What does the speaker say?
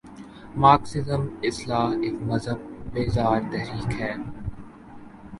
Marxism اصلا ایک مذہب بیزار تحریک ہے۔